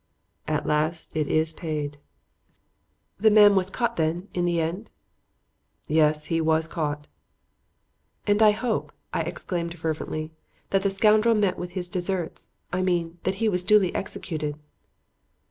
"At last it is paid." "The man was caught, then, in the end?" "Yes. He was caught." "And I hope," I exclaimed fervently, "that the scoundrel met with his deserts; I mean, that he was duly executed."